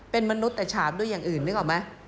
เป็นมนุษย์แต่ฉาบด้วยอย่างอื่นนึกออกไหม